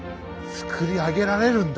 作り上げられるんだ。